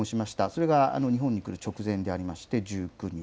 それが日本に来る直前でありまして、１９日。